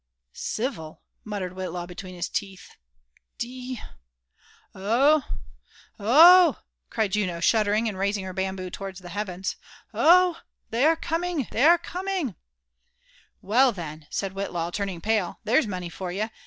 .." Civil 1" muttered Whitlaw between his teeth. '* D ".'* Oh .. .hi Oh .. .hi" cried Juno, shuddering, and raising her bamboo towards the heavens, '< Oh ... hi They are coming, they are coming—." Well, then," said Whitlaw, turning pale, there's money for ye.